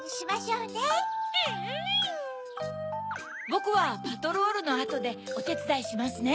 ・ぼくはパトロールのあとでおてつだいしますね。